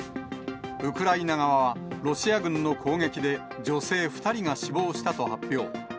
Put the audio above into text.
ウクライナ側は、ロシア軍の攻撃で、女性２人が死亡したと発表。